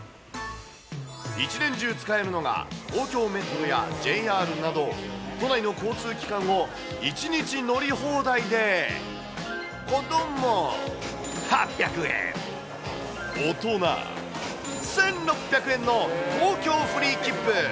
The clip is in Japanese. １年中使えるのが、東京メトロやＪＲなど、都内の交通機関を１日乗り放題で、子ども８００円、大人１６００円の東京フリー切符。